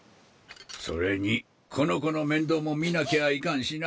それにこの子の面倒も見なきゃいかんしな。